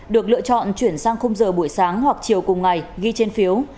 được lựa chọn chuyển sang h buổi sáng hoặc chiều cùng ngày ghi trên phiếu